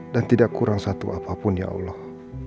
dan tidak kurang satu apapun ya allah